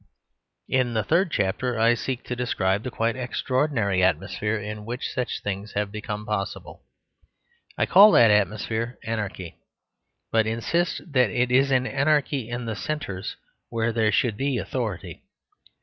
In the third chapter I seek to describe the quite extraordinary atmosphere in which such things have become possible. I call that atmosphere anarchy; but insist that it is an anarchy in the centres where there should be authority.